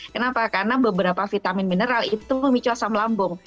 kenapa karena beberapa vitamin mineral itu memicu asam lambung